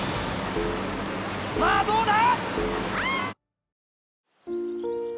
さぁどうだ